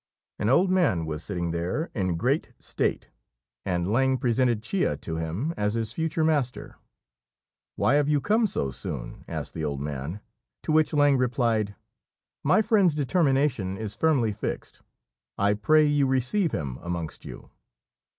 An old man was sitting there in great state, and Lang presented Chia to him as his future master. "Why have you come so soon?" asked the old man; to which Lang replied, "My friend's determination is firmly fixed: I pray you receive him amongst you."